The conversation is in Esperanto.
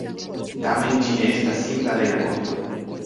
Tamen ĝi ne estas simpla rerakonto.